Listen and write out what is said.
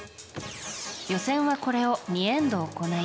予選はこれを２エンド行い